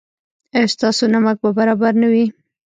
ایا ستاسو نمک به برابر نه وي؟